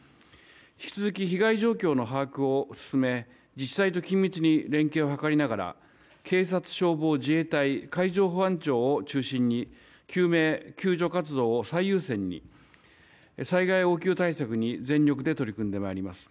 引き続き被害状況の把握を進め自治体と緊密に連携を図りながら警察、消防、自衛隊海上保安庁を中心に救命救助活動を最優先に災害応急対策に全力で取り組んでまいります。